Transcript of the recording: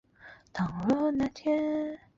戈纳盖小教堂人口变化图示